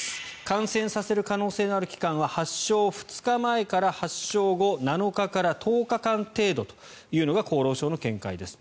感染させる可能性のある期間は発症２日前から発症後７日から１０日間程度というのが厚労省の見解です。